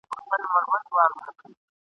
كه دوږخ مو وي مطلب د دې خاكيانو !.